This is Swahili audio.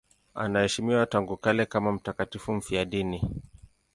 Anaheshimiwa tangu kale kama mtakatifu mfiadini.